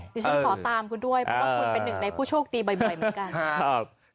ดิฉันขอตามคุณด้วยเพราะว่าคุณเป็นหนึ่งในผู้โชคดีบ่อยเหมือนกัน